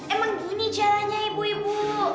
emang gini caranya ibu ibu